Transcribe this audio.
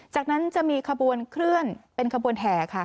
จากนั้นจะมีขบวนเคลื่อนเป็นขบวนแห่ค่ะ